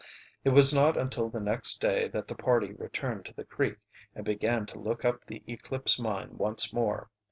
It was not until the next day that the party returned to the creek and began to look up the Eclipse Mine once more.